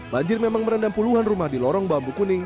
banjir memang merendam puluhan rumah di lorong bambu kuning